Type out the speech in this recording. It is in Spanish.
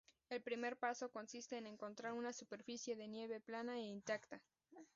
El primer paso consiste en encontrar una superficie de nieve plana e intacta.